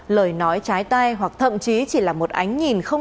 lời nói trái tay hoặc thậm chí chỉ là một ánh nhìn không